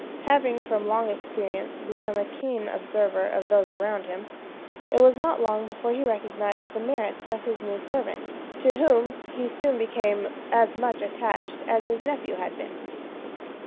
Having from long experience become a keen observer of those around him, it was not long before he recognized the merits of his new servant, to whom he soon became as much attached as his nephew had been.